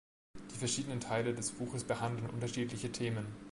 Die verschiedenen Teile des Buches behandeln unterschiedliche Themen.